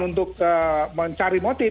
untuk mencari motif